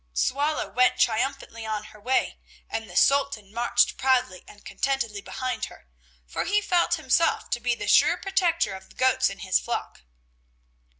Swallow went triumphantly on her way, and the Sultan marched proudly and contentedly behind her, for he felt himself to be the sure protector of the goats in his flock.